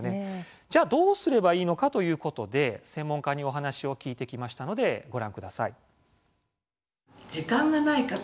じゃあ、どうすればいいのかということで専門家にお話を聞いてきましたのでご覧ください。